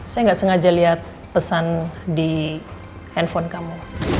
saya gak sengaja liat pesan di handphone kamu